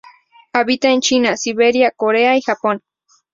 Habita en China, Siberia, Corea y Japón.